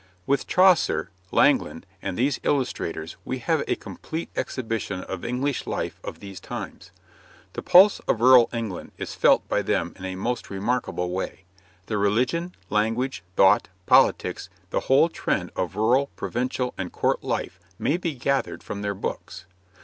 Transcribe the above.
With Chaucer, Langland, and these illuminators we have a complete exhibition of English life of these times. The pulse of rural England is felt by them in a most remarkable way; the religion, language, thought, politics, the whole trend of rural, provincial, and Court life may be gathered from their books.